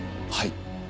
はい。